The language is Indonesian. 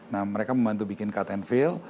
nah mereka membantu bikin cut and fill